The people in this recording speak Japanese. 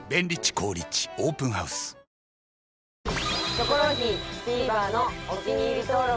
『キョコロヒー』ティーバーのお気に入り登録